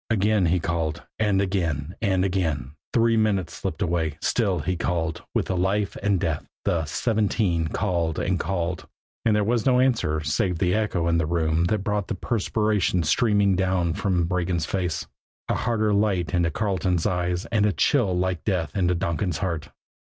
Again he called, and again, and again. The minutes slipped away. Still he called with the life and death the "seventeen" called and called. And there was no answer save that echo in the room that brought the perspiration streaming down from Regan's face, a harder light into Carleton's eyes and a chill like death into Donkin's heart.